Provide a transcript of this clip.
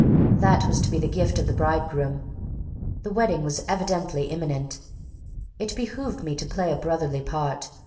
That was to be the gift of the bridegroom. The wedding was evidently imminent. It behooved me to play a brotherly part.